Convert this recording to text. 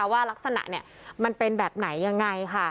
ว่ารักษณะมันเป็นแบบไหนยังไงค่ะ